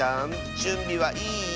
じゅんびはいい？